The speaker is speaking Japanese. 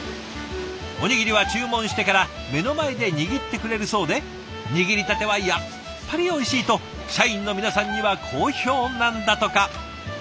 おにぎりは注文してから目の前で握ってくれるそうで「握りたてはやっぱりおいしい！」と社員の皆さんには好評なんだとか。